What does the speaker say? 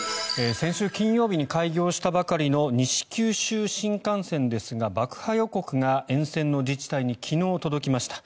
先週金曜日に開業したばかりの西九州新幹線ですが爆破予告が沿線の自治体に昨日届きました。